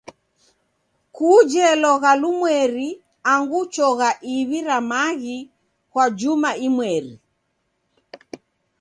Kuje logha lumweri angu chogha iw'i ra maghi kwa juma imweri.